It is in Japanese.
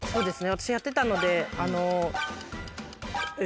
私やってたのであのえ。